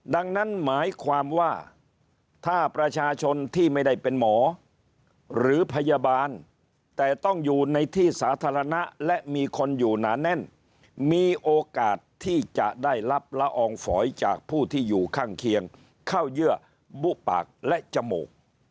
ดังนั้นหมายความว่าถ้าประชาชนที่ไม่ได้เป็นหมอหรือพยาบาลแต่ต้องอยู่ในที่สาธารณะและมีคนอยู่หนาแน่นมีโอกาสที่จะได้รับละอองฝอยจากผู้ที่อยู่ข้างเคียงเข้าเยื่อบุปากและจมูก